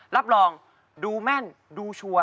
รับรองดูแม่นดูชัวร์